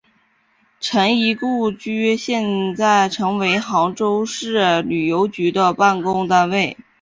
陈仪故居现在成为杭州市旅游局的办公单位。